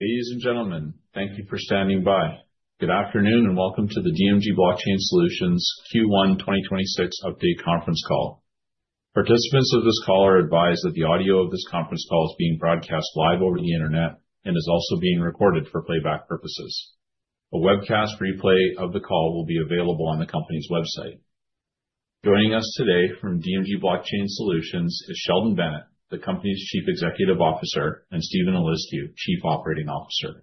Ladies and gentlemen, thank you for standing by. Good afternoon, and welcome to the DMG Blockchain Solutions Q1 2026 update Conference Call. Participants of this call are advised that the audio of this conference call is being broadcast live over the Internet and is also being recorded for playback purposes. A webcast replay of the call will be available on the company's website. Joining us today from DMG Blockchain Solutions is Sheldon Bennett, the company's Chief Executive Officer, and Steven Eliscu, Chief Operating Officer.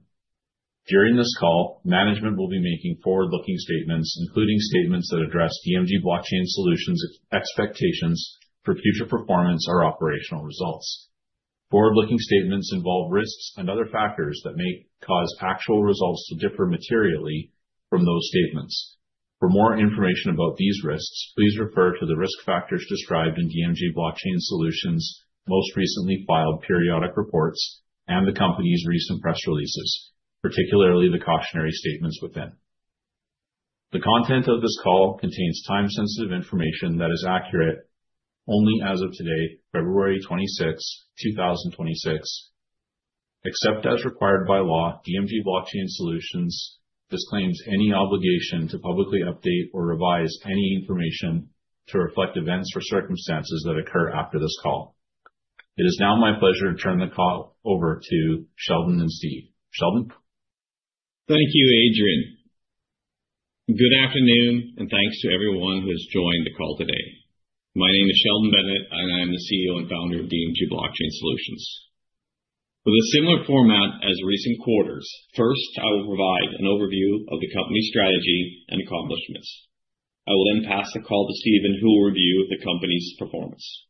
During this call, management will be making forward-looking statements, including statements that address DMG Blockchain Solutions' expectations for future performance or operational results. Forward-looking statements involve risks and other factors that may cause actual results to differ materially from those statements. For more information about these risks, please refer to the risk factors described in DMG Blockchain Solutions' most recently filed periodic reports and the company's recent press releases, particularly the cautionary statements within. The content of this call contains time-sensitive information that is accurate only as of today, February 26th, 2026. Except as required by law, DMG Blockchain Solutions disclaims any obligation to publicly update or revise any information to reflect events or circumstances that occur after this call. It is now my pleasure to turn the call over to Sheldon and Steve. Sheldon? Thank you, Adrian. Good afternoon, thanks to everyone who has joined the call today. My name is Sheldon Bennett, and I am the CEO and Founder of DMG Blockchain Solutions. With a similar format as recent quarters, first, I will provide an overview of the company's strategy and accomplishments. I will then pass the call to Steven, who will review the company's performance.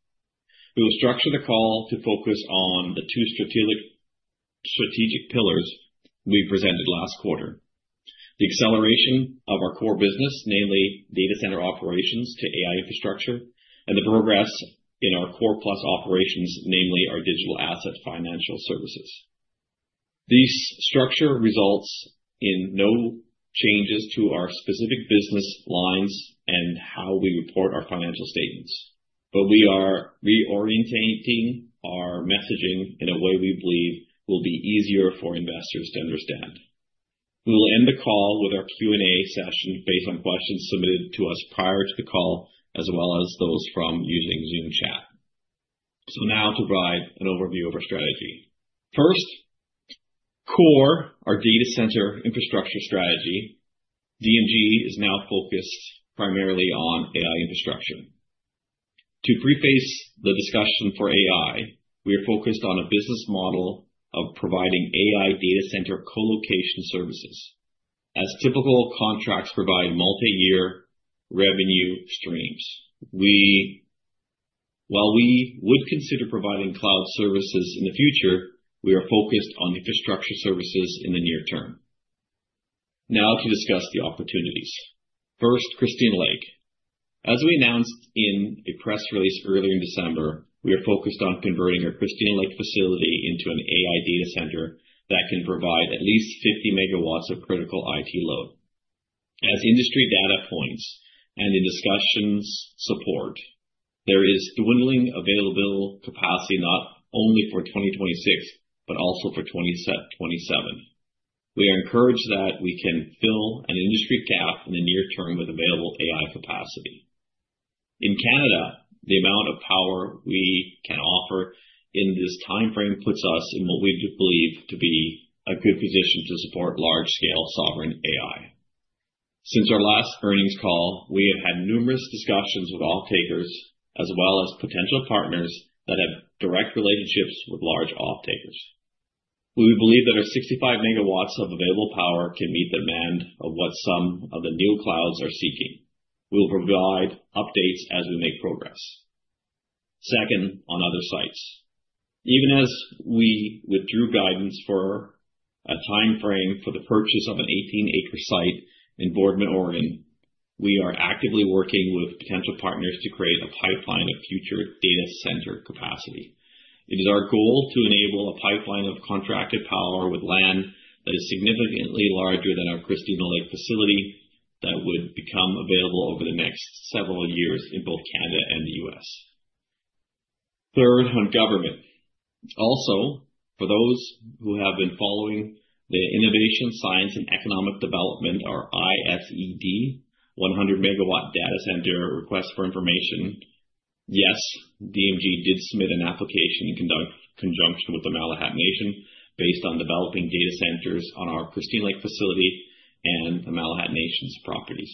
We will structure the call to focus on the two strategic pillars we presented last quarter. The acceleration of our core business, namely Data Center Operations to AI Infrastructure and the progress in our core plus operations, namely our digital asset financial services. These structure results in no changes to our specific business lines and how we report our financial statements, but we are reorientating our messaging in a way we believe will be easier for investors to understand. We will end the call with our Q&A session based on questions submitted to us prior to the call, as well as those from using Zoom chat. Now, to provide an overview of our strategy. First, our core, data center infrastructure strategy. DMG is now focused primarily on AI Infrastructure. To preface the discussion for AI, we are focused on a business model of providing AI data center colocation services. Typical contracts provide multiyear revenue streams. While we would consider providing cloud services in the future, we are focused on infrastructure services in the near term. Now to discuss the opportunities. First, Christina Lake. We announced in a press release earlier in December, we are focused on converting our Christina Lake facility into an AI data center that can provide at least 50 megawatts of critical IT load. As industry data points and in discussions support, there is dwindling available capacity not only for 2026 but also for 2027. We are encouraged that we can fill an industry gap in the near term with available AI capacity. In Canada, the amount of power we can offer in this timeframe puts us in what we believe to be a good position to support large-scale sovereign AI. Since our last Earnings Call, we have had numerous discussions with offtakers as well as potential partners that have direct relationships with large offtakers. We believe that our 65 MW of available power can meet the demand of what some of the new clouds are seeking. We'll provide updates as we make progress. Second, on other sites. Even as we withdrew guidance for a timeframe for the purchase of an 18-acre site in Boardman, Oregon, we are actively working with potential partners to create a pipeline of future data center capacity. It is our goal to enable a pipeline of contracted power with land that is significantly larger than our Christina Lake facility that would become available over the next several years in both Canada and the U.S. Third, on government. For those who have been following the Innovation, Science and Economic Development or ISED 100 MW data center Request for Information. Yes, DMG did submit an application in conjunction with the Malahat Nation based on developing data centers on our Christina Lake facility and the Malahat Nation's properties.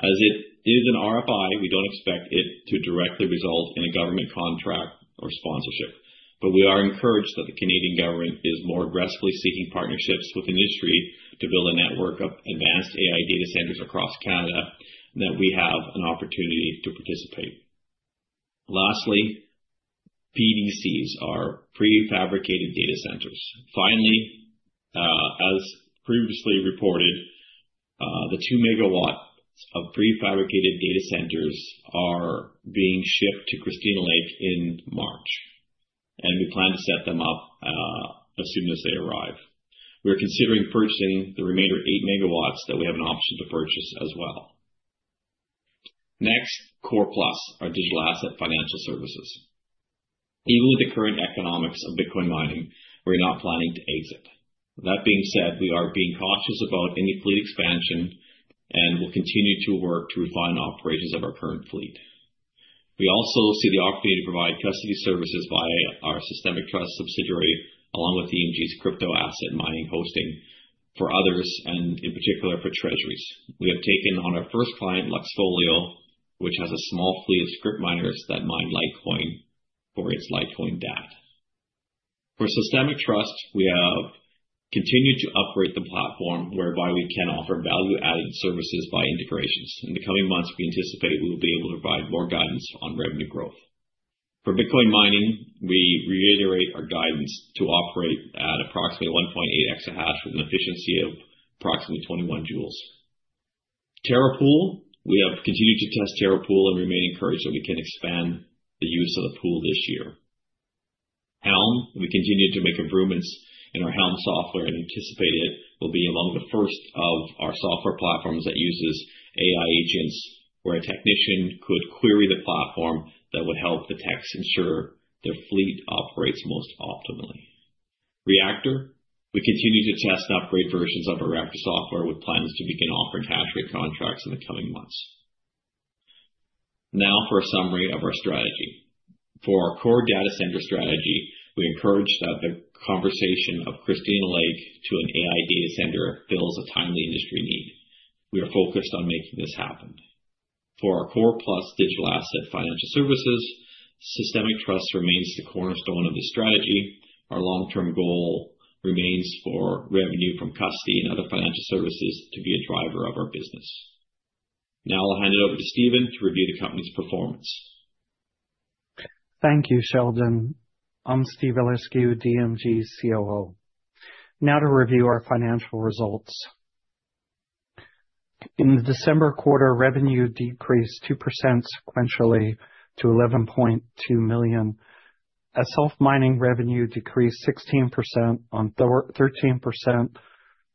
As it is an RFI, we don't expect it to directly result in a government contract or sponsorship, but we are encouraged that the Canadian government is more aggressively seeking partnerships with industry to build a network of advanced AI data centers across Canada, and that we have an opportunity to participate. Lastly, PDCs, our prefabricated data centers. Finally, as previously reported, the two megawatts of prefabricated data centers are being shipped to Christina Lake in March, and we plan to set them up as soon as they arrive. We are considering purchasing the remainder eight megawatts that we have an option to purchase as well. Next, Core Plus, our digital asset financial services. Even with the current economics of Bitcoin mining, we're not planning to exit. That being said, we are being cautious about any fleet expansion and will continue to work to refine operations of our current fleet. We also see the opportunity to provide custody services via our Systemic Trust subsidiary, along with DMG's crypto asset mining hosting for others and in particular for treasuries. We have taken on our first client, Luxxfolio, which has a small fleet of Scrypt miners that mine Litecoin for its Litecoin DAC. For Systemic Trust, we have continued to upgrade the platform whereby we can offer value-added services by integrations. In the coming months, we anticipate we will be able to provide more guidance on revenue growth. For Bitcoin mining, we reiterate our guidance to operate at approximately 1.8 exahash with an efficiency of approximately 21 joules. Terra Pool. We have continued to test Terra Pool and remain encouraged that we can expand the use of the pool this year. Helm. We continue to make improvements in our Helm software and anticipate it will be among the first of our software platforms that uses AI agents, where a technician could query the platform that would help the techs ensure their fleet operates most optimally, Reactor. We continue to test and operate versions of our Reactor software with plans to begin offering hash rate contracts in the coming months. For a summary of our strategy. For our core data center strategy, we encourage that the conversation of Christina Lake to an AI data center fills a timely industry need. We are focused on making this happen. For our Core Plus digital asset financial services, Systemic Trust remains the cornerstone of the strategy. Our long-term goal remains for revenue from custody and other financial services to be a driver of our business. I'll hand it over to Steven to review the company's performance. Thank you, Sheldon. I'm Steven Eliscu, DMG's COO. Now to review our financial results. In December quarter, revenue decreased 2% sequentially to $11.2 million. As self-mining revenue decreased 16% on 13%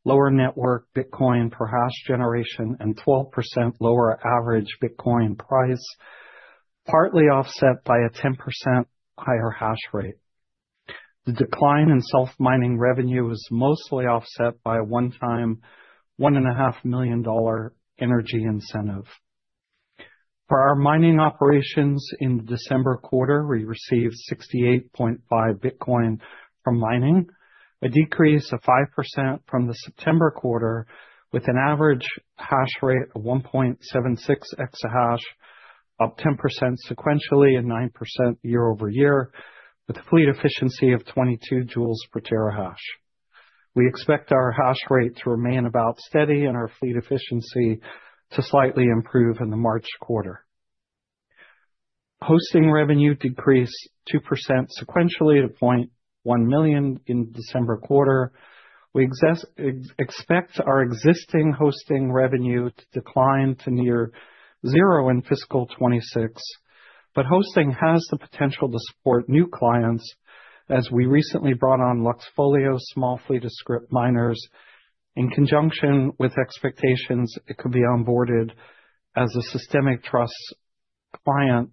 lower network Bitcoin per hash generation and 12% lower average Bitcoin price, partly offset by a 10% higher hash rate. The decline in self-mining revenue was mostly offset by a one-time $1.5 million energy incentive. For our mining operations in Q4, we received 68.5 Bitcoin from mining, a decrease of 5% from Q3, with an average hash rate of 1.76 exahash, up 10% sequentially and 9% year-over-year, with a fleet efficiency of 22 joules per terahash. We expect our hash rate to remain steady and our fleet efficiency to slightly improve in the March quarter. Hosting revenue decreased 2% sequentially to $0.1 million in Q4. We expect our existing hosting revenue to decline to near zero in fiscal 2026, but hosting has the potential to support new clients, as we recently brought on Lux folio's small fleet of Scrypt miners in conjunction with expectations that it could be onboarded as a Systemic Trust client,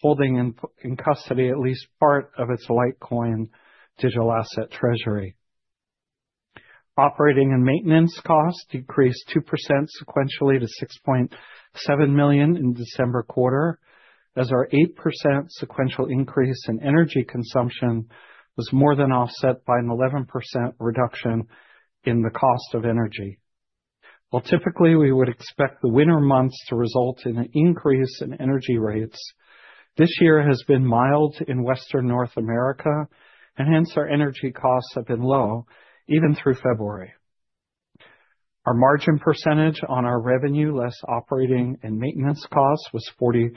holding in custody at least part of its Litecoin digital asset treasury. Operating and maintenance costs decreased 2% sequentially to $6.7 million in Q4, as our 8% sequential increase in energy consumption was more than offset by an 11% reduction in the cost of energy. While typically we would expect the winter months to result in an increase in energy rates, this year has been mild in Western North America, and hence our energy costs have been low even through February. Our margin percentage on our revenue less operating and maintenance costs, was 40%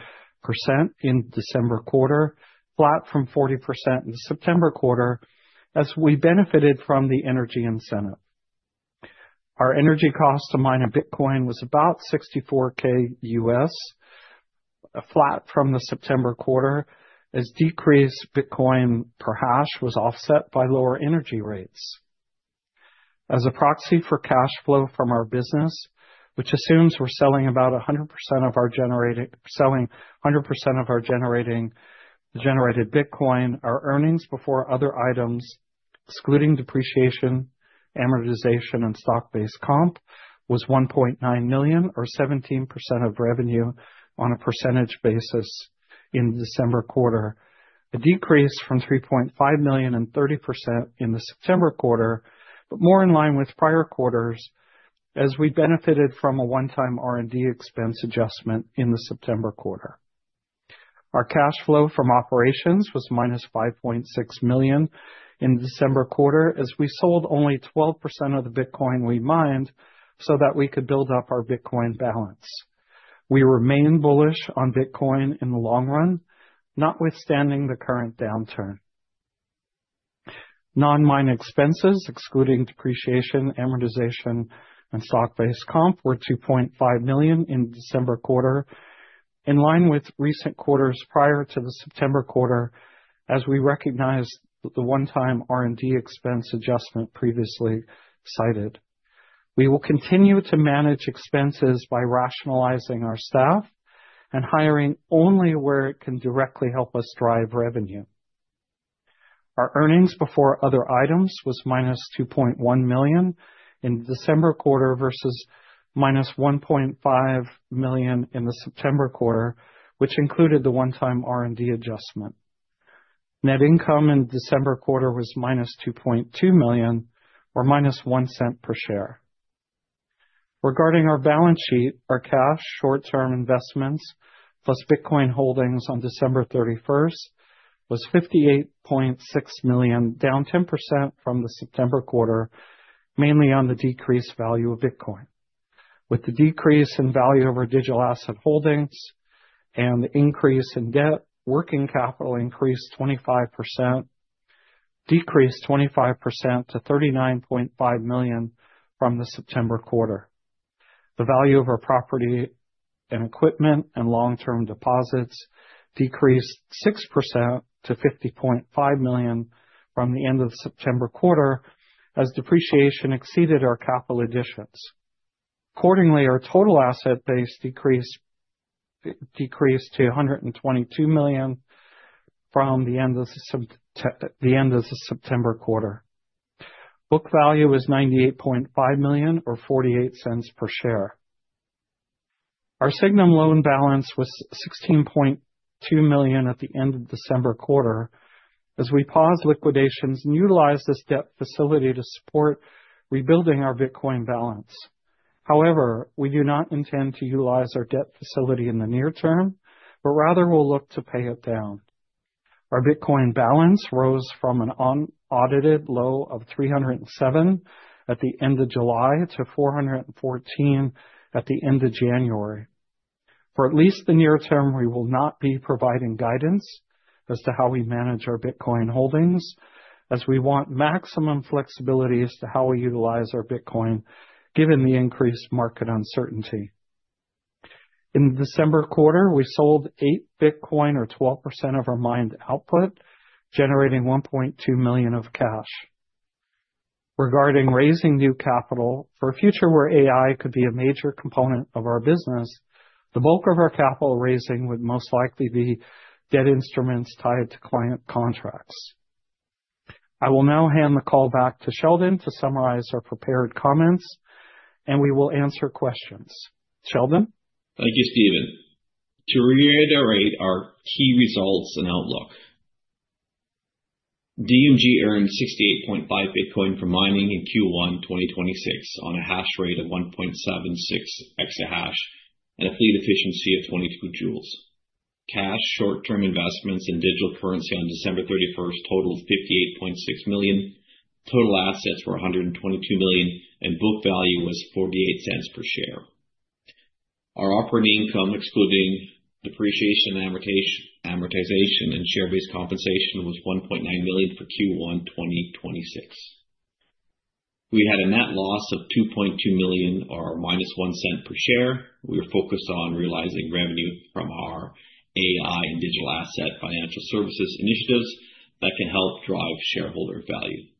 in Q4, flat from 40% Q3, as we benefited from the energy incentive. Our energy cost to mine a Bitcoin was about $64K, flat from Q3, as decreased Bitcoin per hash was offset by lower energy rates. As a proxy for cash flow from our business, which assumes we're selling about 100% of our generated Bitcoin, our earnings before other items, excluding depreciation, amortization, and stock-based comp, were $1.9 million or 17% of revenue on a percentage basis in Q4, a decrease from $3.5 million and 30% in Q3. More in line with prior quarters as we benefited from a one-time R&D expense adjustment in Q3. Our cash flow from operations was -$5.6 million in Q4 as we sold only 12% of the Bitcoin we mined so that we could build up our Bitcoin balance. We remain bullish on Bitcoin in the long run, notwithstanding the current downturn. Non-mine expenses, excluding depreciation, amortization, and stock-based comp, were $2.5 million in Q4, in line with recent quarters prior to Q3, as we recognized the one-time R&D expense adjustment previously cited. Our earnings before other items were -$2.1 million in Q4 versus -$1.5 million in Q3, which included the one-time R&D adjustment. Net income in Q4 was -$2.2 million or -$0.01 per share. Regarding our balance sheet, our cash short-term investments plus Bitcoin holdings on December 31st were $58.6 million, down 10% from Q3, mainly due to the decreased value of Bitcoin. With the decrease in value of our digital asset holdings and the increase in debt, working capital decreased 25% to $39.5 million from Q3. The value of our property and equipment and long-term deposits decreased 6% to $50.5 million from the end of Q3 as depreciation exceeded our capital additions. Accordingly, our total asset base decreased to $122 million from the end of Q3. Book value is $98.5 million or $0.48 per share. Our Sygnum loan balance was $16.2 million at the end of Q4 as we paused liquidations and utilized this debt facility to support rebuilding our Bitcoin balance. However, we do not intend to utilize our debt facility in the near term, but rather we'll look to pay it down. Our Bitcoin balance rose from an unaudited low of 307 at the end of July to 414 at the end of January. For at least the near term, we will not be providing guidance as to how we manage our Bitcoin holdings as we want maximum flexibility as to how we utilize our Bitcoin,, given the increased market uncertainty. In Q4, we sold 8 Bitcoin or 12% of our mined output, generating $1.2 million of cash. Regarding raising new capital for a future where AI could be a major component of our business, the bulk of our capital raising would most likely be debt instruments tied to client contracts. I will now hand the call back to Sheldon to summarize our prepared comments and we will answer questions. Sheldon? Thank you, Steven. To reiterate our key results and outlook. DMG earned 68.5 Bitcoin from mining in Q1, 2026, on a hash rate of 1.76 exahash and a fleet efficiency of 22 joules. Cash, short-term investments in digital currency on December 31st, totaled $58.6 million. Total assets were $122 million, and book value was $0.48 per share. Our operating income, excluding depreciation, amortization, and share-based compensation, was $1.9 million for Q1, 2026. We had a net loss of $2.2 million or -$0.01 per share. We are focused on realizing revenue from our AI and digital asset financial services initiatives that can help drive shareholder value.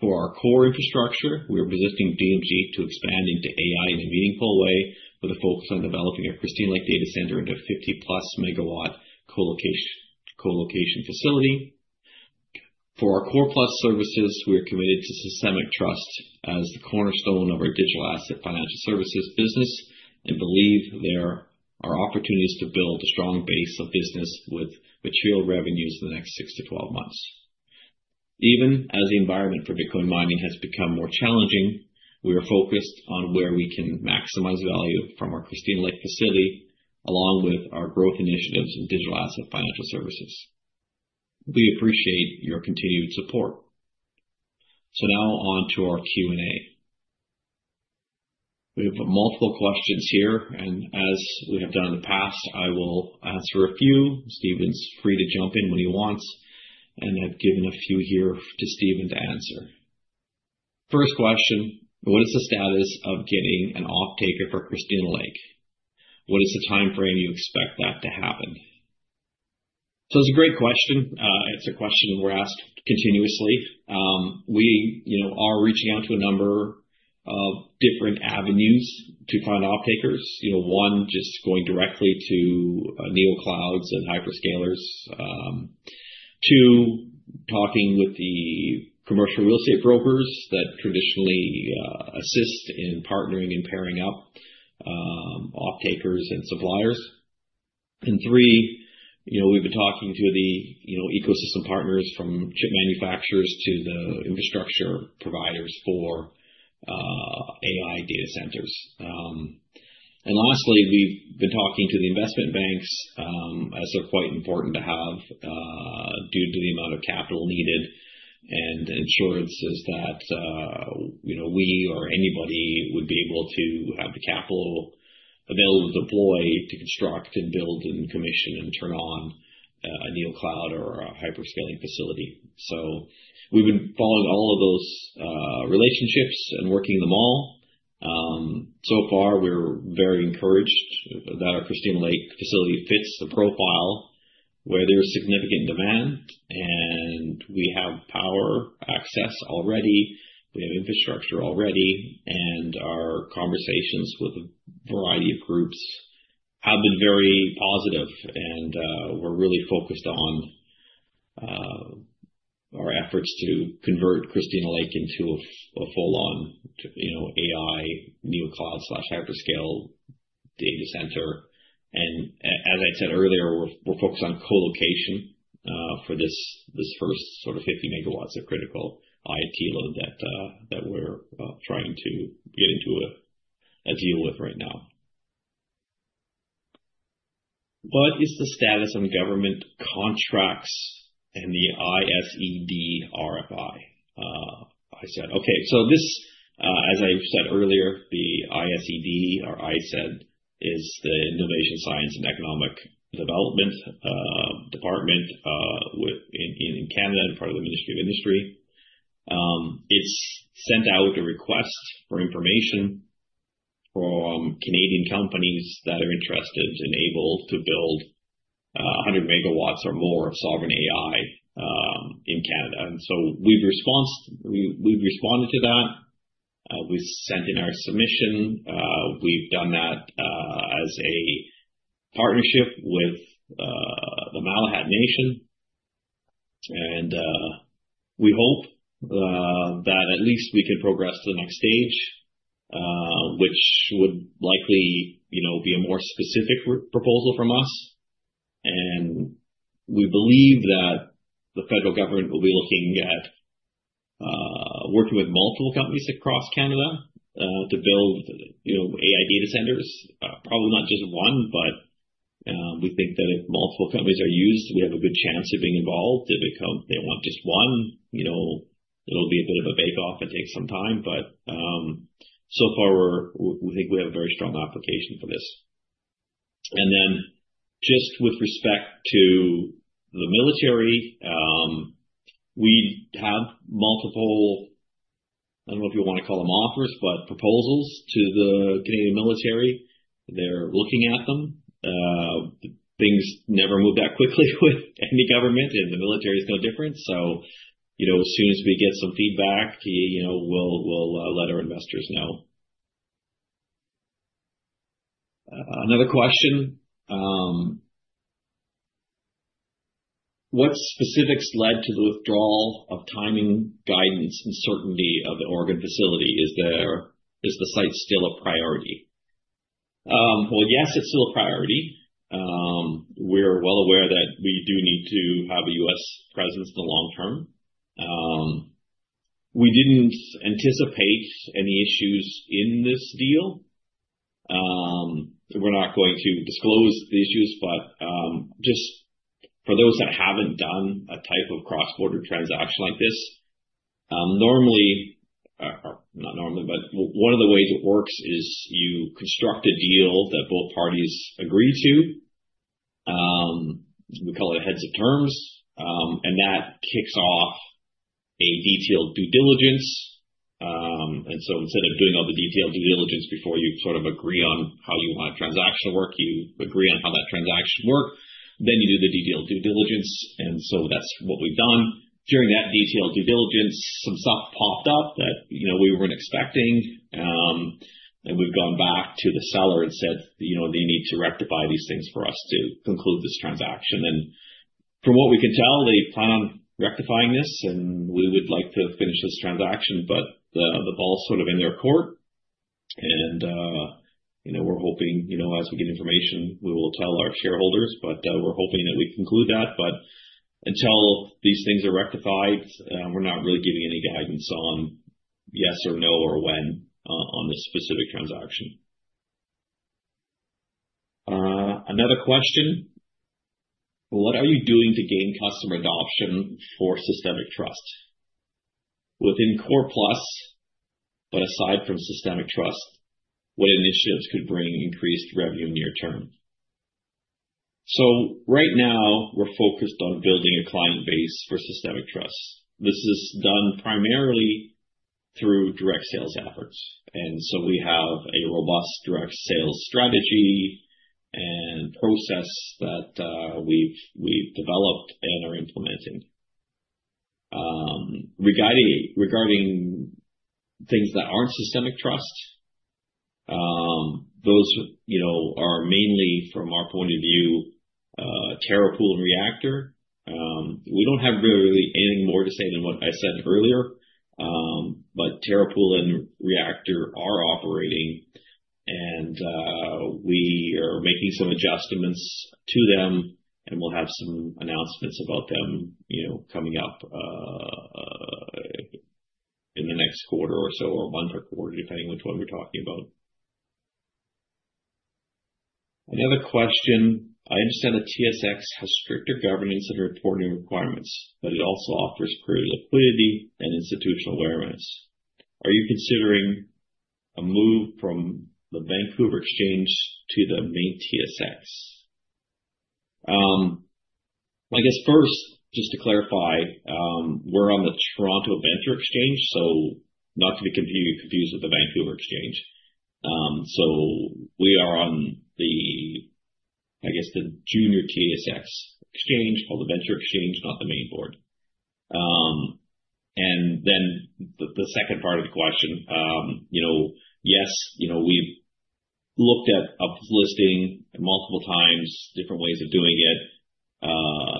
For our core infrastructure, we are positioning DMG to expand into AI in a meaningful way with a focus on developing our Christina Lake data center into a 50-plus megawatt colocation facility. For our core plus services, we are committed to Systemic Trust as the cornerstone of our digital asset financial services business and believe there are opportunities to build a strong base of business with material revenues in the next six to twelve months. Even as the environment for Bitcoin mining has become more challenging, we are focused on where we can maximize value from our Christina Lake facility, along with our growth initiatives in digital asset financial services. We appreciate your continued support. Now on to our Q&A. We have multiple questions here, and as we have done in the past, I will answer a few. Steven's free to jump in when he wants. I've given a few here to Steven to answer. First question, what is the status of getting an offtaker for Christina Lake? What is the timeframe you expect that to happen? It's a great question. It's a question we're asked continuously. We, you know, are reaching out to a number of different avenues to find offtakers. You know, one, just going directly to Neoclouds and hyperscale. Two, talking with the commercial real estate brokers that traditionally assist in partnering and pairing up offtakers and suppliers. Three, you know, we've been talking to the, you know, ecosystem partners from chip manufacturers to the infrastructure providers for AI data centers. Lastly, we've been talking to the investment banks, as they're quite important to have, due to the amount of capital needed and assurances that, you know, we or anybody would be able to have the capital available to deploy, to construct and build and commission and turn on a Neocloud or a hyperscaling facility. We've been following all of those relationships and working them all. So far, we're very encouraged that our Christina Lake facility fits the profile where there's significant demand and we have power access already, we have infrastructure already, and our conversations with a variety of groups have been very positive and we're really focused on our efforts to convert Christina Lake into a full-on, you know, AI Neocloud/hyperscale data center. As I said earlier, we're focused on colocation for this first sort of 50 megawatts of critical IT load that we're trying to get into a deal with right now. What is the status on government contracts and the ISED RFI? As I said earlier, the ISED is the Innovation, Science, and Economic Development department in Canada and part of the Ministry of Industry. It has sent out a request for information from Canadian companies that are interested and able to build 100 megawatts or more of sovereign AI in Canada. We've responded to that. We sent in our submission. We've done that as a partnership with the Malahat Nation. We hope that at least we can progress to the next stage, which would likely, you know, be a more specific proposal from us. We believe that the federal government will be looking at working with multiple companies across Canada to build, you know, AI data centers. Probably not just one, but we think that if multiple companies are used, we have a good chance of being involved. If they come, they want just one, you know, it'll be a bit of a bake-off and take some time, but so far we think we have a very strong application for this. Just with respect to the military, we have multiple, I don't know if you wanna call them offers, but proposals to the Canadian military. They're looking at them. Things never move that quickly with any government, and the military is no different. You know, as soon as we get some feedback, you know, we'll let our investors know. Another question. What specifics led to the withdrawal of timing, guidance, and certainty of the Oregon facility? Is the site still a priority? Well, yes, it's still a priority. We're well aware that we do need to have a U.S. presence in the long term. We didn't anticipate any issues in this deal. We're not going to disclose the issues. Just for those that haven't done a type of cross-border transaction like this, normally or not normally, but one of the ways it works is you construct a deal that both parties agree to. We call it heads of terms. That kicks off a detailed due diligence. Instead of doing all the detailed due diligence before you sort of agree on how you want a transaction to work, you agree on how that transaction works, then you do the detailed due diligence. That's what we've done. During that detailed due diligence, some stuff popped up that, you know, we weren't expecting. We've gone back to the seller and said, you know, "They need to rectify these things for us to conclude this transaction." From what we can tell, they plan on rectifying this, and we would like to finish this transaction, but the ball's sort of in their court. You know, we're hoping, you know, as we get information, we will tell our shareholders. We're hoping that we conclude that. Until these things are rectified, we're not really giving any guidance on yes or no or when on this specific transaction. Another question. What are you doing to gain customer adoption for Systemic Trust? Within Core Plus, but aside from Systemic Trust, what initiatives could bring increased revenue near term? Right now, we're focused on building a client base for Systemic Trust. This is done primarily through direct sales efforts, we have a robust direct sales strategy and process that we've developed and are implementing. Regarding things that aren't Systemic Trust, those, you know, are mainly from our point of view, Terra Pool and Reactor. We don't have really anything more to say than what I said earlier. TerraPool and Reactor are operating and we are making some adjustments to them, and we'll have some announcements about them, you know, coming up in the next quarter or so, or month or quarter, depending which one we're talking about. Another question. I understand that TSX has stricter governance and reporting requirements, but it also offers greater liquidity and institutional awareness. Are you considering a move from the Vancouver Stock Exchange to the main TSX? I guess first, just to clarify, we're on the Toronto Venture Exchange, so not to be confused with the Vancouver Stock Exchange. We are on the, I guess, the junior TSX Venture Exchange, not the TSX. The second part of the question, you know, yes, you know, we've looked at up-listing multiple times, different ways of doing it,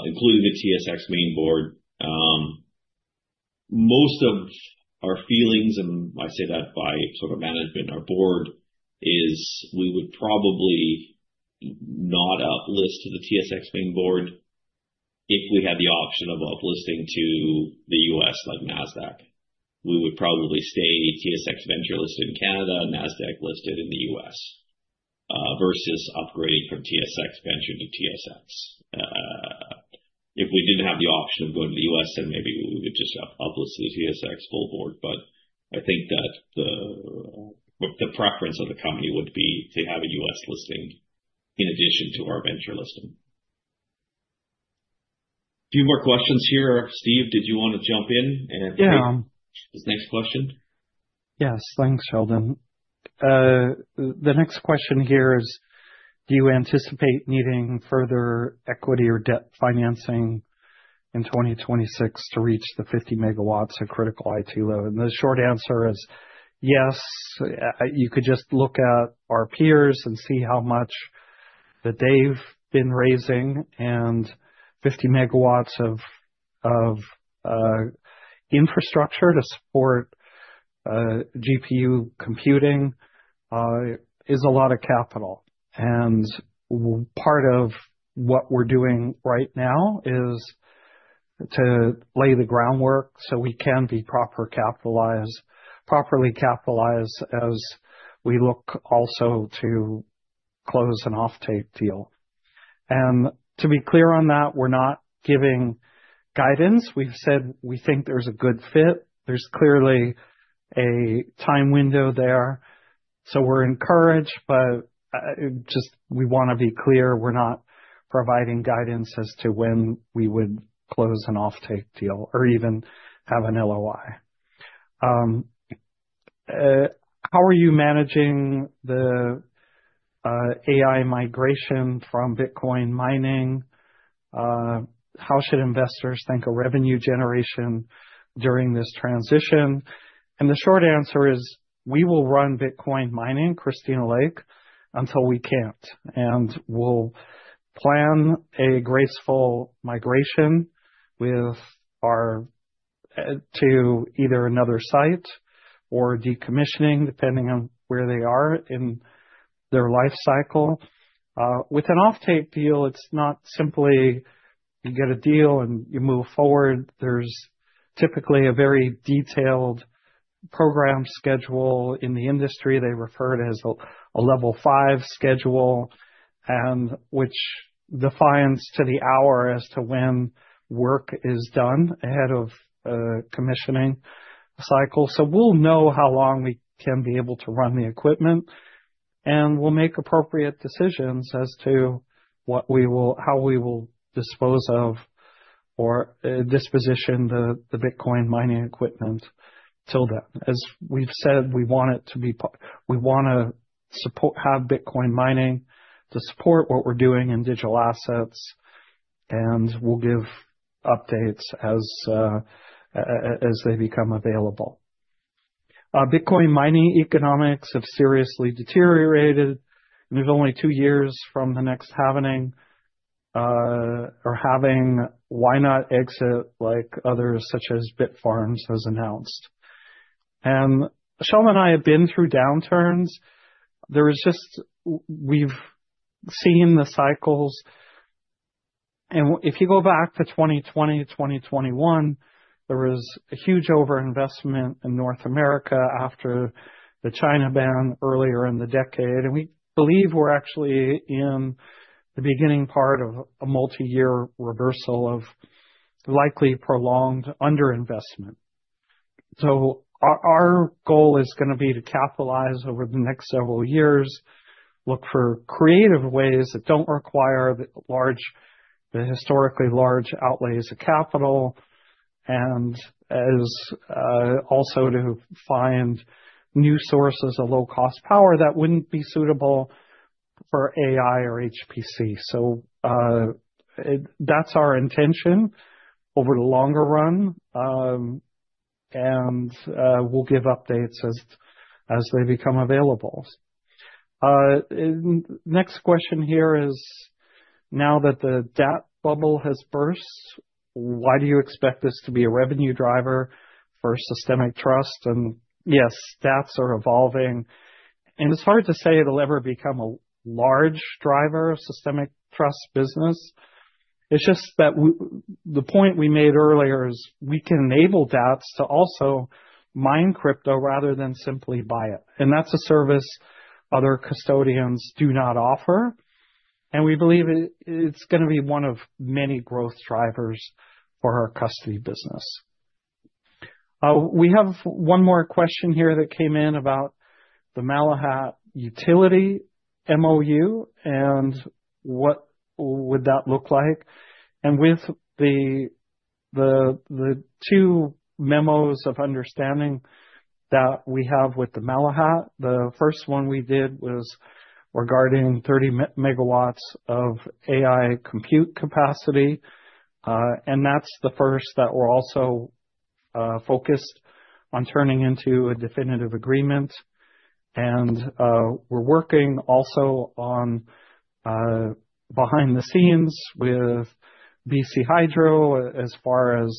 including the TSX. Most of our feelings, I say that by sort of management, our board, is we would probably not up-list to the TSX if we had the option of up-listing to the U.S., like Nasdaq. We would probably stay TSX Venture Exchange-listed in Canada, Nasdaq listed in the U.S., versus upgrading from TSX Venture Exchange to TSX. If we didn't have the option of going to the U.S., maybe we would just up-list to the TSX. I think that the preference of the company would be to have a U.S. listing in addition to our venture listing. Few more questions here. Steve, did you wanna jump in? Yeah. This next question? Yes. Thanks, Sheldon. The next question here is, do you anticipate needing further equity or debt financing in 2026 to reach the 50 megawatts of critical IT load? The short answer is yes. You could just look at our peers and see how much that they've been raising and 50 megawatts of infrastructure to support GPU computing is a lot of capital. Part of what we're doing right now is to lay the groundwork so we can be properly capitalized as we look also to close an off-take deal. To be clear on that, we're not giving guidance. We've said we think there's a good fit. There's clearly a time window there. We're encouraged, but just we wanna be clear, we're not providing guidance as to when we would close an off-take deal or even have an LOI. How are you managing the AI migration from Bitcoin mining? How should investors think of revenue generation during this transition? The short answer is, we will run Bitcoin mining, Christina Lake, until we can't. We'll plan a graceful migration to either another site or decommissioning, depending on where they are in their life cycle. With an off-take deal, it's not simply you get a deal and you move forward. There's typically a very detailed program schedule. In the industry, they refer to it as a Level five schedule, and which defines to the hour as to when work is done ahead of a commissioning cycle. We'll know how long we can be able to run the equipment, and we'll make appropriate decisions as to what we will how we will dispose of or disposition the Bitcoin mining equipment till then. As we've said, we want to have Bitcoin mining to support what we're doing in digital assets, and we'll give updates as they become available. Bitcoin mining economics have seriously deteriorated, and we're only two years from the next halvening or halving. Why not exit like others, such as Bitfarms has announced? Sheldon and I have been through downturns. There is just we've seen the cycles. If you go back to 2020, 2021, there was a huge over-investment in North America after the China ban earlier in the decade. We believe we're actually in the beginning part of a multi-year reversal of likely prolonged under-investment. Our goal is gonna be to capitalize over the next several years, look for creative ways that don't require the historically large outlays of capital, and also to find new sources of low-cost power that wouldn't be suitable for AI or HPC. That's our intention over the longer run. We'll give updates as they become available. Next question here is, now that the dApp bubble has burst, why do you expect this to be a revenue driver for Systemic Trust? Yes, dApps are evolving, and it's hard to say it'll ever become a large driver of Systemic Trust business. It's just that the point we made earlier is we can enable dApps to also mine crypto rather than simply buy it. That's a service other custodians do not offer. We believe it's gonna be one of many growth drivers for our custody business. We have one more question here that came in about the Malahat Nation utility MOU, and what would that look like. With the two memos of understanding that we have with the Malahat Nation, the first one we did was regarding 30 megawatts of AI compute capacity. That's the first that we're also focused on turning into a definitive agreement, and we're working also on behind the scenes with BC Hydro as far as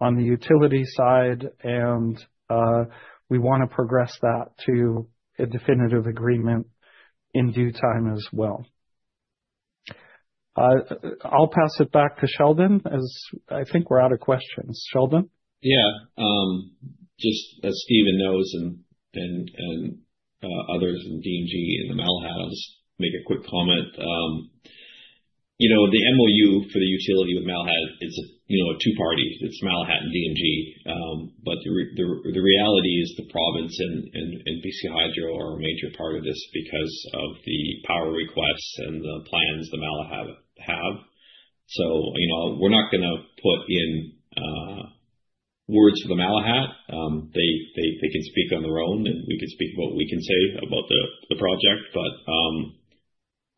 on the utility side, and we want to progress that to a definitive agreement in due time as well. I'll pass it back to Sheldon, as I think we're out of questions. Sheldon? Yeah. Just as Steven knows and others in DMG and the Malahats, make a quick comment. You know, the MOU for the utility with Malahat is, you know, two parties. It's Malahat and DMG. The reality is the province and BC Hydro are a major part of this because of the power requests and the plans the Malahat have. You know, we're not gonna put in words for the Malahat. They can speak on their own, and we can speak what we can say about the project.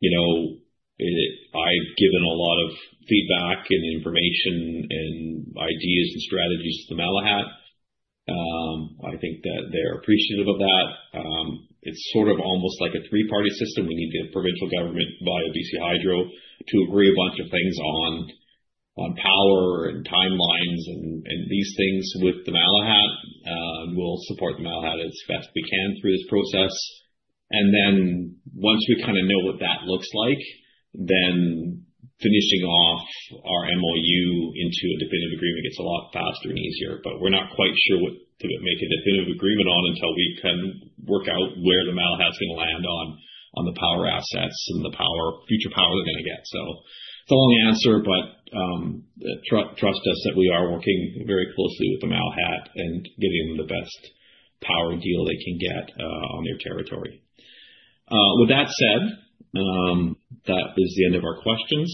You know, I've given a lot of feedback and information and ideas and strategies to the Malahat. I think that they're appreciative of that. It's sort of almost like a three-party system. We need the provincial government via BC Hydro to agree a bunch of things on power and timelines and these things with the Malahat. We'll support the Malahat as best we can through this process. Then once we kind of know what that looks like, then finishing off our MOU into a definitive agreement gets a lot faster and easier. We're not quite sure what to make a definitive agreement on until we can work out where the Malahat's gonna land on the power assets and the power, future power they're gonna get. It's a long answer, but trust us that we are working very closely with the Malahat and getting them the best power deal they can get on their territory. With that said, that is the end of our questions.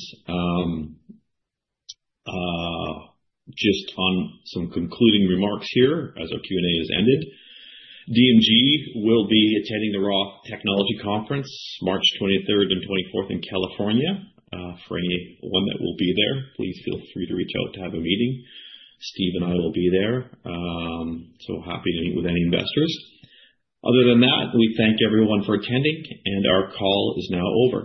Just on some concluding remarks here, as our Q&A has ended, DMG will be attending the ROTH Conference, March 23rd and 24th in California. For anyone that will be there, please feel free to reach out to have a meeting. Steve and I will be there, so happy to meet with any investors. Other than that, we thank everyone for attending. Our call is now over.